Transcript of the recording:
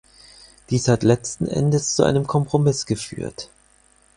Dies hat letzten Endes zu einem Kompromiss geführt.